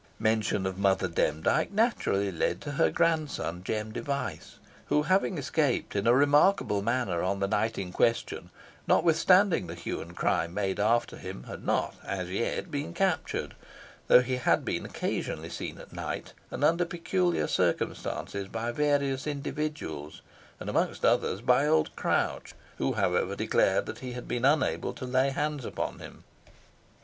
Mention of Mother Demdike naturally led to her grandson, Jem Device, who, having escaped in a remarkable manner on the night in question, notwithstanding the hue and cry made after him, had not, as yet, been captured, though he had been occasionally seen at night, and under peculiar circumstances, by various individuals, and amongst others by old Crouch, who, however, declared he had been unable to lay hands upon him.